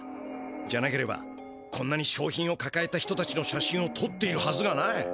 じゃなければこんなにしょう品をかかえた人たちの写真をとっているはずがない。